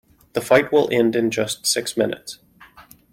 The fight will end in just six minutes.